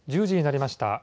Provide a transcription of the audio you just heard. １０時になりました。